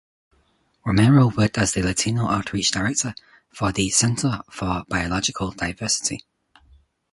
Romero worked as the Latino outreach director for the Center for Biological Diversity.